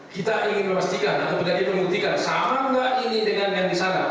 kita ingin memastikan atau menjadi penyertikan sama tidak ini dengan yang di sana